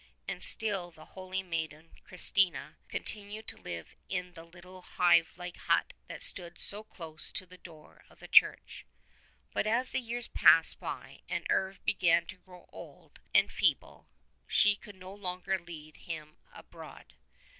And still the holy maiden Kristina continued to live in the little hive like hut that stood so close to the door of the church. But as the years passed by and Herv^e began to grow old and feeble she could no longer lead him abroad.